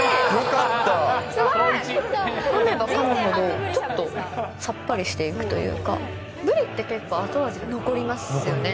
かめばかむほど、ちょっとさっぱりしていくというか、ブリって結構後味が残りますよね。